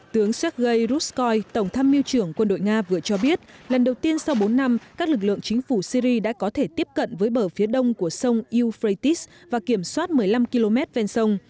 tướng sergei ruskoy tổng tham miêu trưởng quân đội nga vừa cho biết lần đầu tiên sau bốn năm các lực lượng chính phủ syri đã có thể tiếp cận với bờ phía đông của sông ufratesis và kiểm soát một mươi năm km ven sông